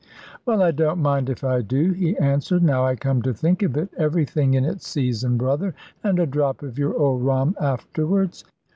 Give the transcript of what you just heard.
"Well, I don't mind if I do," he answered, "now I come to think of it. Everything in its season, brother. And a drop of your old rum afterwards."